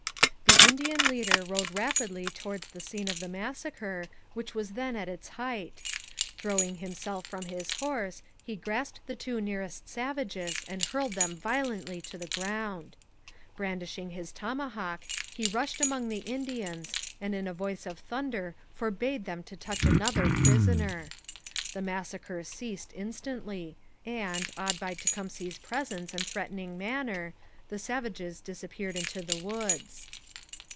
The Indian leader rode rapidly towards the scene of the massacre, which was then at its height. Throwing himself from his horse, he grasped the two nearest savages and hurled them violently to the ground. Brandishing his tomahawk, he rushed among the Indians, and in a voice of thunder forbade them to touch another prisoner. The massacre ceased instantly, and, awed by Tecumseh's presence and threatening manner, the savages disappeared into the woods.